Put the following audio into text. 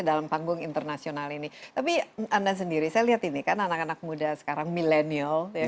dalam panggung internasional ini tapi anda sendiri saya lihat ini kan anak anak muda sekarang millennial ya